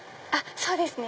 そうですね